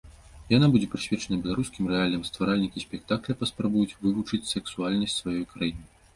Яна будзе прысвечаная беларускім рэаліям, стваральнікі спектакля паспрабуюць вывучыць сэксуальнасць сваёй краіны.